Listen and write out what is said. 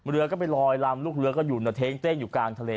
เรือก็ไปลอยลำลูกเรือก็อยู่ในเท้งเต้งอยู่กลางทะเล